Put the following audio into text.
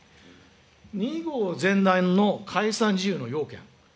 ２号前段の解散事由の要件。